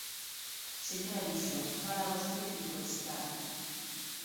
Señor Alixo, fala vostede de intoxicar.